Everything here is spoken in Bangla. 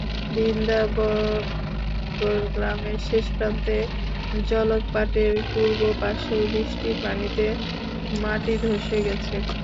বৃন্দাবননগর গ্রামের শেষ প্রান্তে জলকপাটের পূর্ব পাশেও বৃষ্টির পানিতে মাটি ধসে গেছে।